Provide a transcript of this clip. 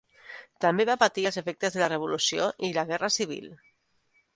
També va patir els efectes de la revolució i la guerra civil.